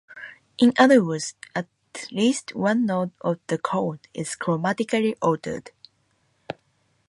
In other words, at least one note of the chord is chromatically altered.